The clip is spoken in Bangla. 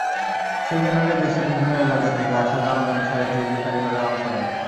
সেমিনারে দেশের বিভিন্ন এলাকা থেকে আসা জামদানি শাড়ি তৈরির কারিগরেরা অংশ নেন।